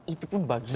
itu pun bagian